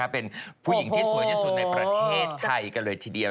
เป็นผู้หญิงที่สวยที่สุดในประเทศไทยกันเลยทีเดียว